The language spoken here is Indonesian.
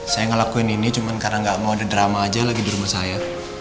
saya ngelakuin ini cuma karena gak mau ada drama aja lagi di rumah saya